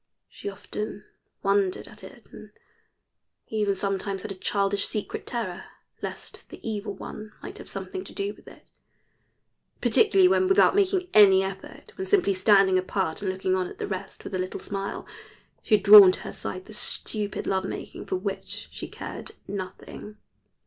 She often wondered at it, and even sometimes had a childish secret terror lest the Evil One might have something to do with it; particularly when without making any effort, when simply standing apart and looking on at the rest, with a little smile she had drawn to her side the stupid love making for which she cared nothing.